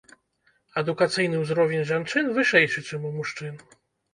Адукацыйны ўзровень жанчын вышэйшы, чым у мужчын.